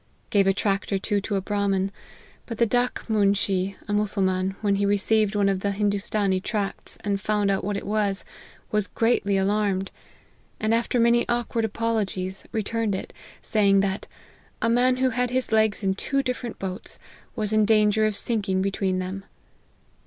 Gave a tract or two to a Brahmin ; but the Dak moonshee, a Mussulman, when he receiv ed one of the Hindoostanee tracts, and found what it was, was greatly alarmed : and after many awk ward apologies, returned it, saying that < a man who had his legs in two different boats, was in danger of sinking between them.'